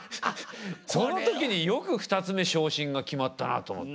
その時によく二ツ目昇進が決まったなと思って。